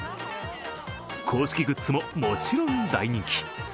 公式グッズも、もちろん大人気。